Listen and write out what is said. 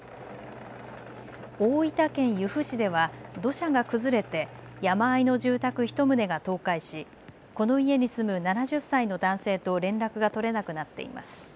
大分県由布市では土砂が崩れて山あいの住宅１棟が倒壊しこの家に住む７０歳の男性と連絡が取れなくなっています。